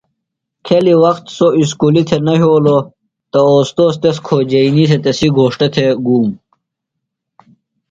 کھیلیۡ وخت سوۡ اُسکُلیۡ تھےۡ نہ یھولوۡ تہ استوذ تس کھوجئینی تھےۡ تسی گھوݜٹہ تھےۡ گُوم۔